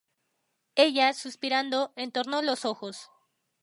ella, suspirando, entornó los ojos